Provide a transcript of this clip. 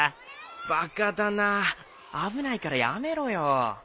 バカだなあ危ないからやめろよ。